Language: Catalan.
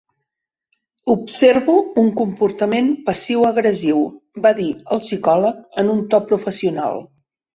"Observo un comportament passiu-agressiu", va dir el psicòleg en un to professional.